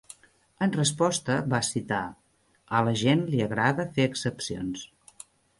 En resposta, va citar: A la gent li agrada fer excepcions.